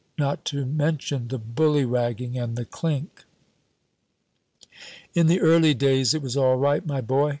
not to mention the bully ragging and the clink." "In the early days it was all right, my boy.